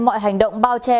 mọi hành động bao che